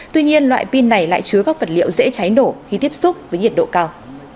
tuy nhiên loại pin này lại chứa các vật liệu dễ cháy nổ khi tiếp xúc với nhiệt độ cao